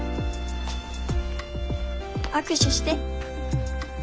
握手して。